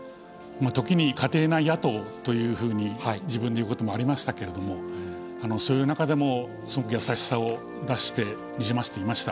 時に家庭内野党というふうに自分で言うこともありましたけれども、そういう中でもすごく優しさを出していました。